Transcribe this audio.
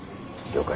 了解。